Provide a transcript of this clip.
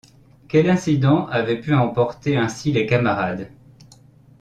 Quel accident avait pu emporter ainsi les camarades?